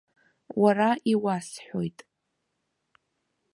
Уара иуасҳәоит.